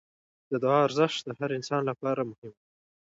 د دعا ارزښت د هر انسان لپاره مهم دی.